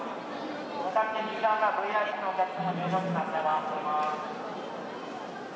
向かって右側がＶＩＰのお客様入場口となっております